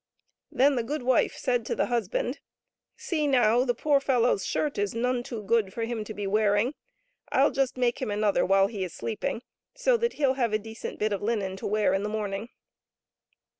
Then the good wife said to the husband, " See, now, the poor fellow's shirt is none too good for him to be wearing. I'll just make him another while he is sleeping, so that he'll have a decent bit of linen to wear in the morning."